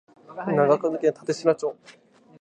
長野県立科町